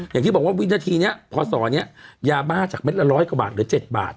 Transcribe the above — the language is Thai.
อย่างที่บอกว่าวินาทีนี้พศนี้ยาบ้าจากเม็ดละร้อยกว่าบาทหรือ๗บาท